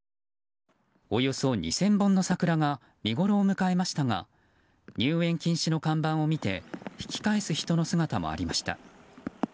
およそ２０００本の桜が見ごろを迎えましたが入園禁止の看板を見て引き返す人の姿もありました。